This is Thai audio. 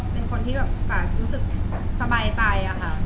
เป็นคนที่จะรู้สึกสบายใจ